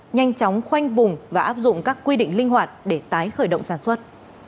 nhanh chóng khoanh vùng và áp dụng các quy định linh hoạt để tái khởi động sản xuất